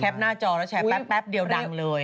หน้าจอแล้วแชร์แป๊บเดียวดังเลย